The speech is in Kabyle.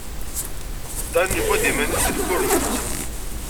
Dan yufa-d iman-is deg tkurmut.